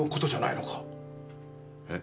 えっ？